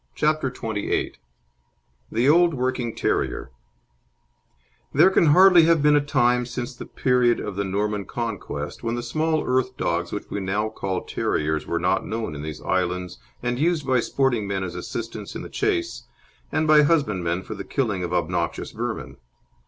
CHAPTER XXVIII THE OLD WORKING TERRIER There can hardly have been a time since the period of the Norman Conquest when the small earth dogs which we now call terriers were not known in these islands and used by sporting men as assistants in the chase, and by husbandmen for the killing of obnoxious vermin.